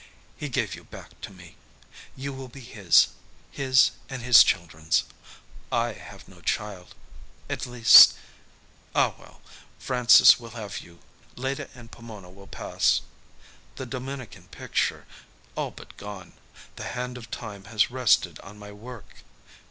He gave you back to me. You will be his his and his children's. I have no child At least.... Ah, well Francis will have you. Leda and Pomona will pass. The Dominican picture ... all but gone. The hand of time has rested on my work.